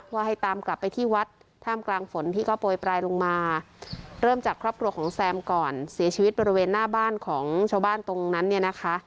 ว่าให้ตามกลับไปที่วัดท่ามกลางฝนที่ก็โปรยปลายลงมาเริ่มจากครอบครัวของแซมก่อนเสียชีวิตบริเวณหน้าบ้านของชาวบ้านตรงนั้นเนี่ยนะคะ